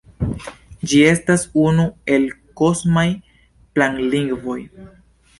Ĝi estas unu el "kosmaj planlingvoj".